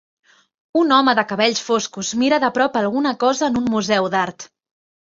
Un home de cabells foscos mira de prop alguna cosa en un museu d'art.